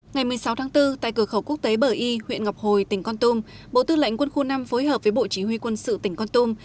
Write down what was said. ngày một mươi sáu tháng bốn tại cửa khẩu quốc tế bờ y huyện ngọc hồi tỉnh con tum bộ tư lệnh quân khu năm phối hợp với bộ chỉ huy quân sự tỉnh con tum